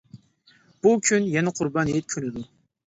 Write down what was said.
بۇ كۈن يەنە قۇربان ھېيت كۈنىدۇر.